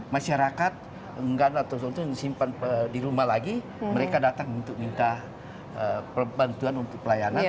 masyarakat yang simpan di rumah lagi mereka datang untuk minta bantuan untuk pelayanan